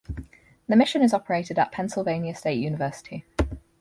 The mission is operated at Pennsylvania State University.